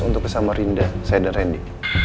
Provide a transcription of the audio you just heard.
untuk bersama rinda saya dan randy